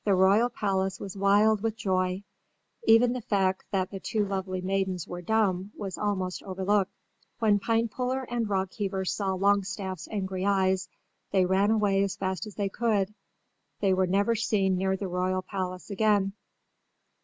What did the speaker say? The royal palace was wild with joy. Even the fact that the two lovely maidens were dumb was almost overlooked. When Pinepuller and Rockheaver saw Longstaff's angry eyes they ran away as fast as they could. They were never seen near the royal palace again.